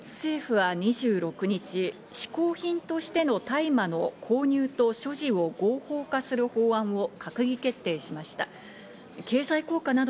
ドイツ政府は２６日、嗜好品としての大麻の購入と所持を合法化する法案を閣議決定しました。